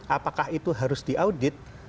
apakah itu harus diaudit